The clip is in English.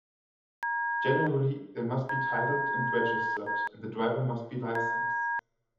Generally, they must be titled and registered, and the driver must be licensed.